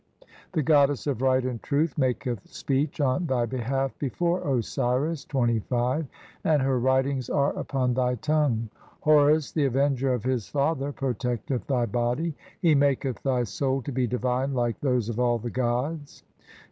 "The goddess of Right and Truth maketh speech on "thy behalf before Osiris, (25) and her writings are upon CXCVIII INTRODUCTION. "thy tongue. Horus the avenger of his father protecteth "thy body, he maketh thy soul to be divine like those "of all the gods.